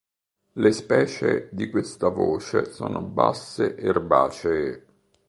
Le specie di questa voce sono basse erbacee.